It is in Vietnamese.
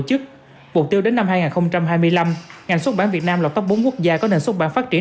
chức mục tiêu đến năm hai nghìn hai mươi năm ngành xuất bản việt nam lọt top bốn quốc gia có nền xuất bản phát triển